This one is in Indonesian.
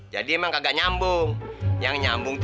jadi emang kagak nyambung